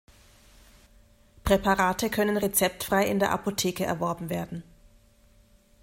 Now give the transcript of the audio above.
Präparate können rezeptfrei in der Apotheke erworben werden.